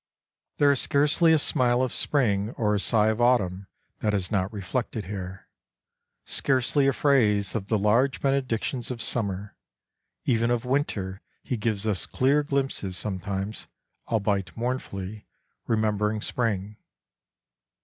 There is scarcely a smile of Spring or a sigh of Autumn that is not reflected here, scarcely a phase of the large benedictions of Summer; even of Winter he gives us clear glimpses sometimes, albeit mournfully, remembering Spring.